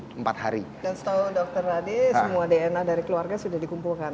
dan setahu dokter tadi semua dna dari keluarga sudah dikumpulkan